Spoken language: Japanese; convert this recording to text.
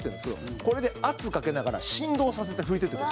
これで圧かけながら振動させて拭いていってくれる。